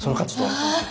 あ！